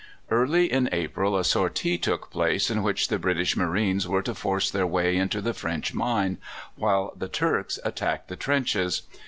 Early in April a sortie took place, in which the British Marines were to force their way into the French mine, while the Turks attacked the trenches.